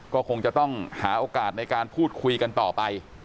ก็คงจะต้องหาโอกาสในการพูดคุยกันต่อไป